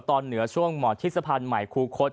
ตอนเหนือช่วงหมอนที่สะพานไหมครูคด